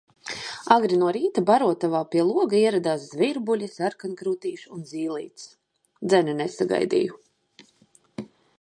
Agri no rīta barotavā pie loga ieradās zvirbuļi, sarkankrūtīši un zīlītes, dzeni nesagaidīju.